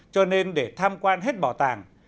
cho nên để tham quan hết bảo tàng